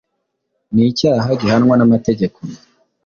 ni icyaha gihanwa n’amategeko.